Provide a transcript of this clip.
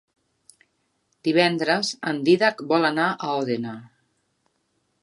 Divendres en Dídac vol anar a Òdena.